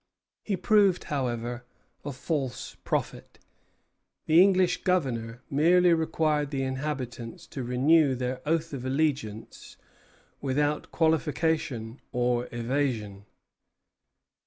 He proved, however, a false prophet. The English Governor merely required the inhabitants to renew their oath of allegiance, without qualification or evasion.